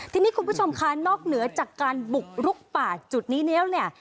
ทีนี้คุณผู้ชมคะนอกเหนือจากการบุกลุกป่าจุดนี้แล้วเนี่ย